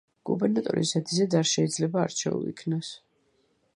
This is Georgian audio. გუბერნატორი ზედიზედ არ შეიძლება არჩეულ იქნას.